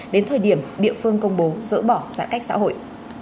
đến thời điểm địa phương công bố dỡ bỏ giãn cách xã hội